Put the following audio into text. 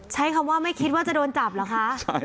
ใช้คำว่าไม่คิดว่าจะโดนจับเหรอคะ